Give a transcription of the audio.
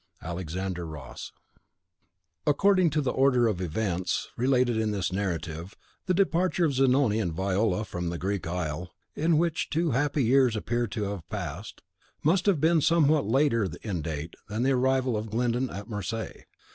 Alexander Ross, "Mystag. Poet." According to the order of the events related in this narrative, the departure of Zanoni and Viola from the Greek isle, in which two happy years appear to have been passed, must have been somewhat later in date than the arrival of Glyndon at Marseilles.